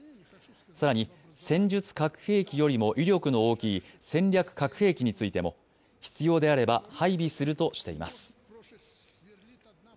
更に、戦術核兵器よりも威力の大きい戦略核兵器についても必要であれば配備するとしています。